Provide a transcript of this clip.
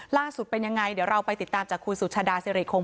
ล่าสุดเป็นยังไงเดี๋ยวเราไปติดตามจากคุณสุชาดาสิริคง